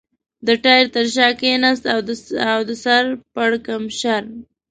د ټایر تر شا کېناست او د سر پړکمشر.